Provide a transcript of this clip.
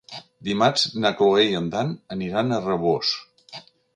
Dimarts na Cloè i en Dan aniran a Rabós.